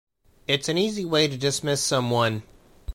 It's an easy way to dismiss someone.